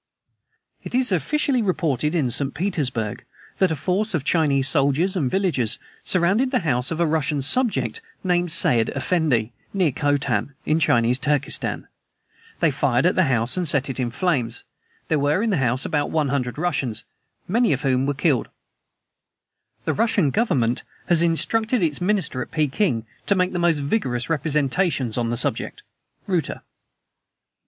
"It is officially reported in St. Petersburg that a force of Chinese soldiers and villagers surrounded the house of a Russian subject named Said Effendi, near Khotan, in Chinese Turkestan. "They fired at the house and set it in flames. There were in the house about 100 Russians, many of whom were killed. "The Russian Government has instructed its Minister at Peking to make the most vigorous representations on the subject." Reuter.